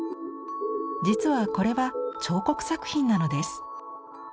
実はこれは彫刻作品なのです。